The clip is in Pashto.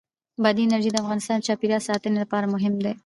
بادي انرژي د افغانستان د چاپیریال ساتنې لپاره مهم دي.